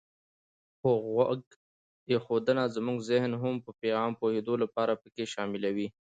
خو غوږ ایښودنه زمونږ زهن هم په پیغام د پوهېدو لپاره پکې شاملوي.